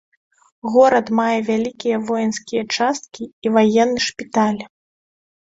Горад мае вялікія воінскія часткі і ваенны шпіталь.